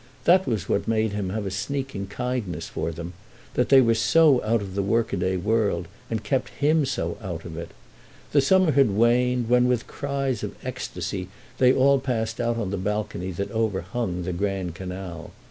That was what made him have a sneaking kindness for them—that they were so out of the workaday world and kept him so out of it. The summer had waned when, with cries of ecstasy, they all passed out on the balcony that overhung the Grand Canal.